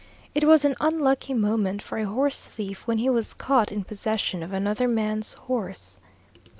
It was an unlucky moment for a horse thief when he was caught in possession of another man's horse.